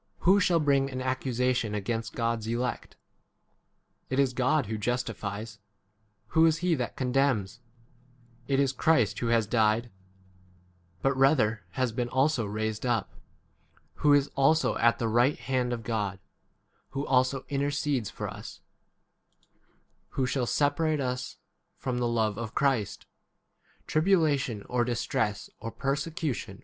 33 Who shall bring an accusation against God's elect ? [It is] God 3i who justifies : who is he that con demns ? [It is] Christ who has died, but rather has been also raised up ; who is also at the right hand of God; who also 35 intercedes for us : who shall sepa racter ; and therefore I have here trans lated it 'creation.'